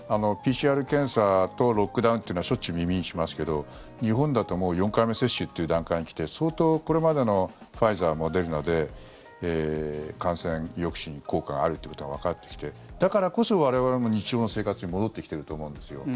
ＰＣＲ検査とロックダウンというのはしょっちゅう耳にしますけど日本だと４回目接種という段階に来て相当、これまでのファイザー、モデルナで感染抑止に効果があるということがわかってきてだからこそ、我々も日常の生活に戻ってきていると思うんですよ。